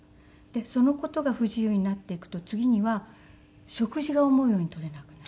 その事が不自由になっていくと次には食事が思うように取れなくなる。